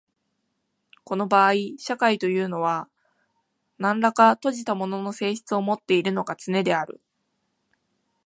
この場合社会というのは何等か閉じたものの性質をもっているのがつねである。